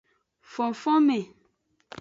Fonfonme.